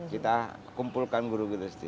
kita kumpulkan guru guru sd